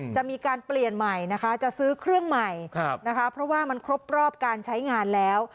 จะมีการเปลี่ยนใหม่นะคะจะซื้อเครื่องใหม่นะคะเพราะว่ามันครบรอบการใช้งานแล้ว